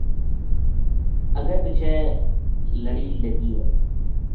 اگے پچھے لڑی لگی ہے